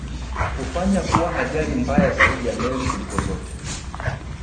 kufanya kuwa ajali mbaya zaidi ya meli kuliko zote